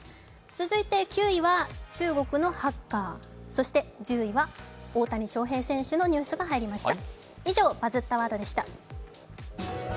続いて９位は中国のハッカー、１０位は大谷翔平選手の話題が入りました。